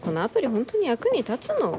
本当に役に立つの？